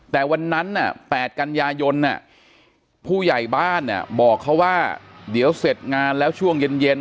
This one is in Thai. แต่วันนั้น๘กันยายนผู้ใหญ่บ้านบอกเขาว่าเดี๋ยวเสร็จงานแล้วช่วงเย็น